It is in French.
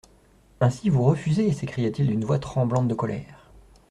Ainsi, vous refusez ? s'écria-t-il d'une voix tremblante de colère.